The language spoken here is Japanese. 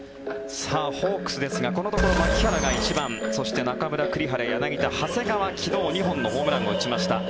ホークスですがこのところ牧原が１番そして中村、栗原、柳田長谷川、昨日２本のホームランを打ちました。